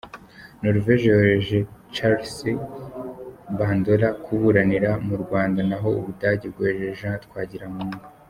Norvege yohereje Charlse Bandora kuburanira mu Rwanda naho u Budage bwohereza Jean Twagiramungu.